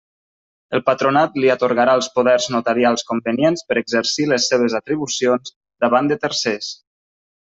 El Patronat li atorgarà els poders notarials convenients per exercir les seves atribucions davant de tercers.